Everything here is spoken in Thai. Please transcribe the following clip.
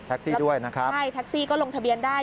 ทักซี่ด้วยนะครับใช่ทักซี่ก็ลงทะเบียนได้